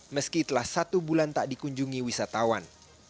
meski telah satu bulan tak dikunjungi wisatawan